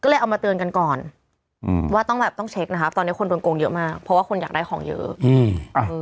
ก็เลยเอามาเตือนกันก่อนว่าต้องต้องเช็คตอนนี้คนกงบนเยอะมากเพราะคนอยากได้ของเยอะ